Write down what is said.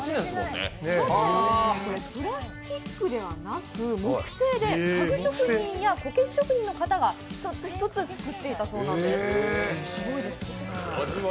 プラスチックではなく木製で家具職人やこけし職人の方が一つ一つ作っていたそうなんです。